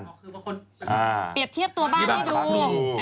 ก็คือบางคนเปรียบเทียบตัวบ้านให้ดู